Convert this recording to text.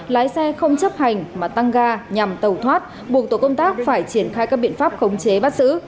lái xe không chấp hành mà tăng ga nhằm tẩu thoát buộc tổ công tác phải triển khai các biện pháp khống chế bắt xử